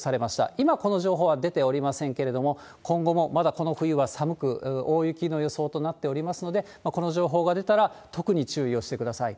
今、この情報は出ておりませんけれども、今後もまだこの冬は寒く、大雪の予想となっておりますので、この情報が出たら、特に注意をしてください。